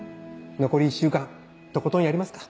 残り１週間とことんやりますか。